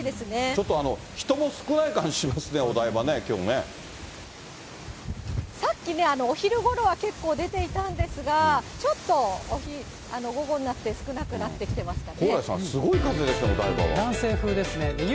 ちょっと人も少ない感じしますね、さっきね、お昼ごろは結構出ていたんですが、ちょっと午後になって少なくなってきてますかね。